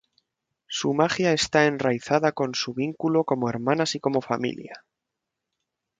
Su magia está enraizada en su vínculo como hermanas y como familia.